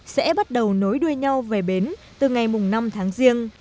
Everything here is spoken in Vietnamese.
sẽ bắt đầu nối đuôi nhau về bến từ ngày năm tháng riêng